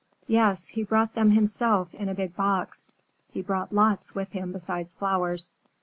"Yes, he brought them himself, in a big box. He brought lots with him besides flowers.